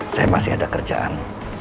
saya masih ada kerjaan